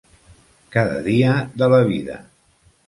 Cada dia de la vida.